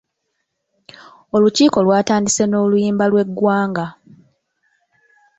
Olikiiko lwatandise n'oluyimba lw'eggwanga.